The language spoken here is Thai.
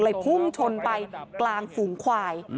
พุ่งชนไปกลางฝูงควาย